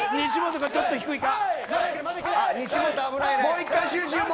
西本がちょっと低いか。